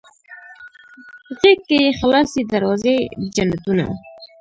غیږ کې یې خلاصې دروازې د جنتونه